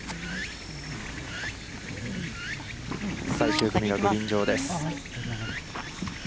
最終組がグリーン上です。